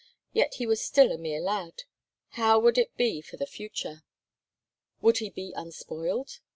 Yet he was still a mere lad. How would it be for the future? Would he be unspoiled?